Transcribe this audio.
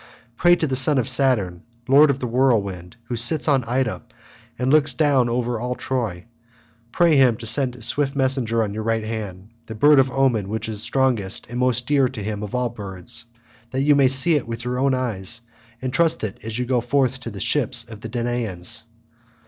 Pray to the son of Saturn lord of the whirlwind, who sits on Ida and looks down over all Troy, pray him to send his swift messenger on your right hand, the bird of omen which is strongest and most dear to him of all birds, that you may see it with your own eyes and trust it as you go forth to the ships of the Danaans.